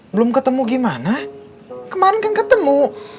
belum ketemu gimana kemarin kan ketemu